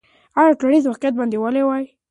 آیا ټولنیز واقعیت باندنی والی لري؟